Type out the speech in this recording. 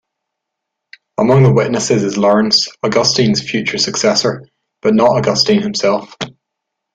Among the witnesses is Laurence, Augustine's future successor, but not Augustine himself.